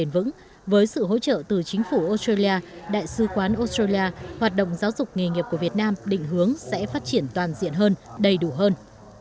với sự hỗ trợ từ chính phủ australia đại sứ quán australia hoạt động giáo dục nghề nghiệp của việt nam định hướng sẽ phát triển toàn diện hơn đầy đủ hơn